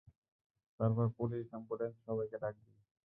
তারপর police, ambulance, সবাইকে ডাকবি।